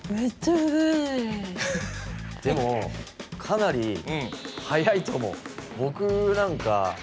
でもかなり早いと思う。